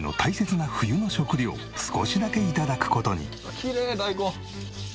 きれい大根！